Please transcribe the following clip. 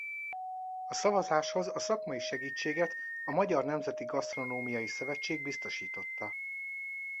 A szavazáshoz a szakmai segítséget a Magyar Nemzeti Gasztronómiai Szövetség biztosította.